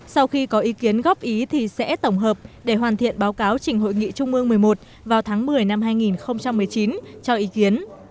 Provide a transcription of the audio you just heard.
sau khi có ý kiến góp ý thì sẽ tổng hợp để hoàn thiện báo cáo trình hội nghị trung mương một mươi một vào tháng một mươi năm hai nghìn một mươi chín cho ý kiến